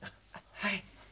はい。